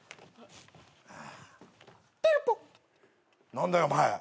何だよお前。